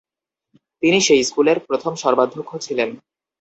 তিনি সেই স্কুলের প্রথম সর্বাধ্যক্ষ ছিলেন।